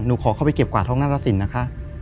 หนูขอเข้าไปเก็บกวาดห้องน่ารสินนะคะ